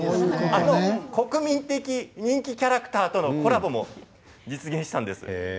あの国民的人気キャラクターとのコラボも実現したんです。